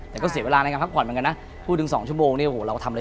แต่ก็เสียเวลาในการพักผ่อนเหมือนกันนะพูดถึงสองชั่วโมงเราทำอะไรที่ยิ่งนะ